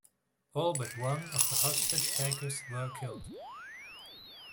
All but one of the hostage-takers were killed.